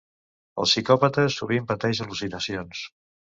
El psicòpata sovint pateix al·lucinacions.